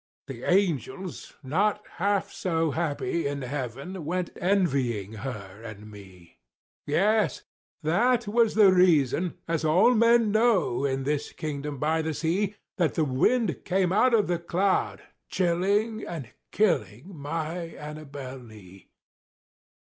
The angels, not half so happy in Heaven, Went envying her and me; Yes! that was the reason (as all men know, In this kingdom by the sea) That the wind came out of the cloud, chilling And killing my ANNABEL LEE.